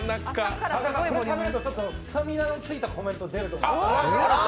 これ、食べるとスタミナのついたコメント出ちゃうと思います。